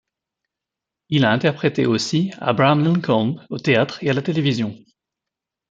Il a interprété aussi Abraham Lincoln au théâtre et à la télévision.